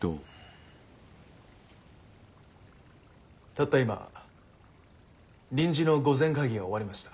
たった今臨時の御前会議が終わりました。